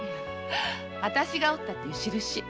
私が折ったって印。